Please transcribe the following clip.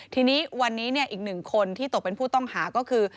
ทีนี้วันนี้อีกหนึ่งคนที่ตกเป็นผู้ต้องหาก็คือ